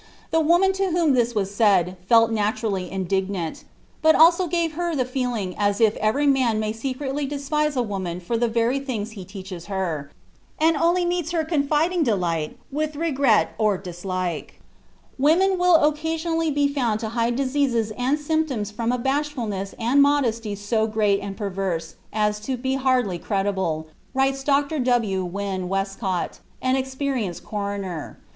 The woman to whom this was said felt naturally indignant, but also it gave her the feeling as if every man may secretly despise a woman for the very things he teaches her, and only meets her confiding delight with regret or dislike." (Private communication.) "Women will occasionally be found to hide diseases and symptoms from a bashfulness and modesty so great and perverse as to be hardly credible," writes Dr. W. Wynn Westcott, an experienced coroner.